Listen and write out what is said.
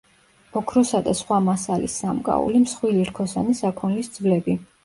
ოქროსა და სხვა მასალის სამკაული, მსხვილი რქოსანი საქონლის ძვლები.